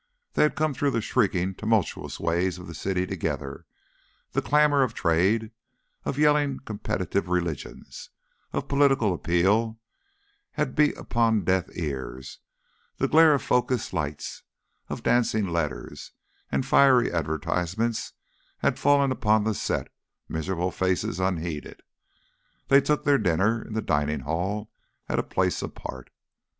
They had come through the shrieking, tumultuous ways of the city together; the clamour of trade, of yelling competitive religions, of political appeal, had beat upon deaf ears; the glare of focussed lights, of dancing letters, and fiery advertisements, had fallen upon the set, miserable faces unheeded. They took their dinner in the dining hall at a place apart.